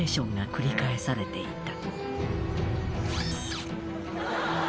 「繰り返されていた」